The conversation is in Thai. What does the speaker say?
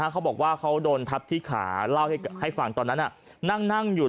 เขาบอกว่าเขาโดนทับที่ขาเล่าให้ฟังตอนนั้นนั่งอยู่